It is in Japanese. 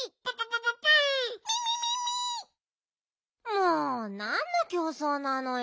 もうなんのきょうそうなのよ。